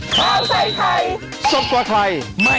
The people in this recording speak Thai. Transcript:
โปรดติดตามตอนต่อไป